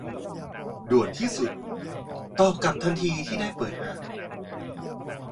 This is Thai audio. ด่วนที่สุด ตอบกลับทันทีที่ได้เปิดอ่าน